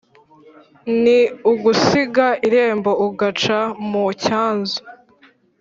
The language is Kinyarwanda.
ni ugusiga irembo ugaca mu cyanzu